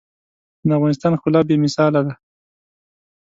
د افغانستان ښکلا بې مثاله ده.